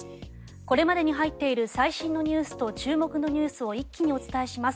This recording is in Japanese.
これまでに入っている最新ニュースと注目ニュースを一気にお伝えします。